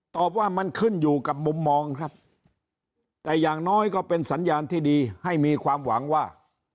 ตอบว่ามันขึ้นอยู่กับมุมมองครับแต่อย่างน้อยก็เป็นสัญญาณที่ดีให้มีความหวังว่า